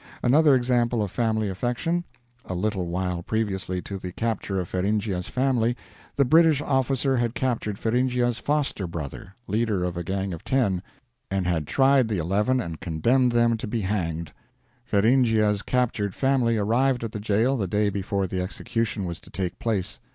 Another example of family affection. A little while previously to the capture of Feringhea's family, the British officer had captured Feringhea's foster brother, leader of a gang of ten, and had tried the eleven and condemned them to be hanged. Feringhea's captured family arrived at the jail the day before the execution was to take place.